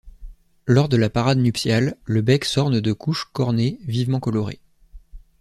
Lors de la parade nuptiale, le bec s'orne de couches cornées vivement colorées.